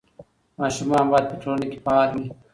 ماشومان باید په ټولنه کې فعال وي.